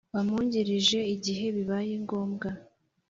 bamwungirije igihe bibaye ngombwa